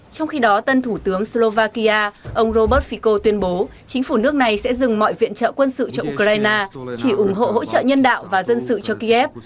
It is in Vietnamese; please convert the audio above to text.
trong khi đó tân thủ tướng slovakia ông robert fico tuyên bố chính phủ nước này sẽ dừng mọi viện trợ quân sự cho ukraine chỉ ủng hộ hỗ trợ nhân đạo và dân sự cho kiev